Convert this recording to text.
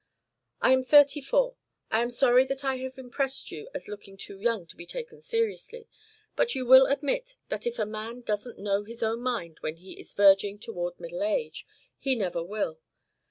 "I am thirty four. I am sorry that I have impressed you as looking too young to be taken seriously, but you will admit that if a man doesn't know his own mind when he is verging toward middle age, he never will.